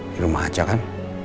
di rumah aja kan